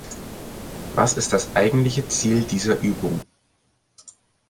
Was ist das eigentliche Ziel dieser Übung?